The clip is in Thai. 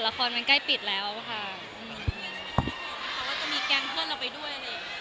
ละครมันใกล้ปิดแล้วค่ะเขาว่าจะมีแกงเพื่อนเราไปด้วย